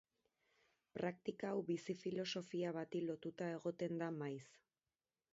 Praktika hau bizi-filosofia bati lotuta egoten da maiz.